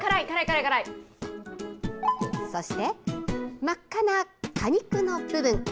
そして真っ赤な果肉の部分。